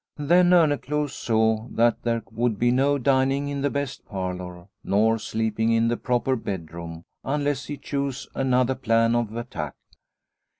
Then Orneclou saw that there would be no dining in the best parlour nor sleeping in the proper bedroom unless he chose another plan of attack.